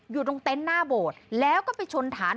อยู่ตรงเต็มป์หน้าโบดแล้วก็ไปชนถ่าน